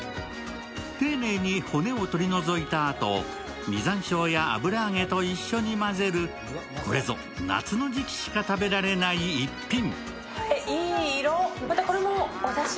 丁寧に骨を取り除いたあと、実山椒や油揚げと一緒に混ぜる、これぞ夏の時期しか食べられない逸品。